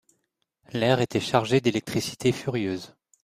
L'air était chargé d'électricité furieuse.